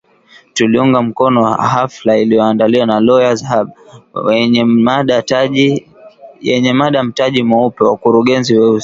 Tuliunga mkono hafla iliyoandaliwa na Lawyer’s Hub, yenye mada Mtaji Mweupe, Wakurugenzi Weusi.